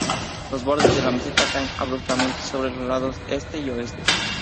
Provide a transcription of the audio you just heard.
Los bordes de la meseta caen abruptamente sobre los lados este y oeste.